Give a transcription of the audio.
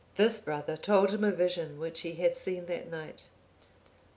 (818) This brother told him a vision which he had seen that night.